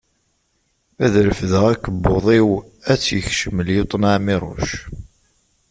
Ad refdeɣ akebbuḍ-iw, ad tt-yekcem lyuṭna Ɛmiruc.